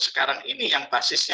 sekarang ini yang basisnya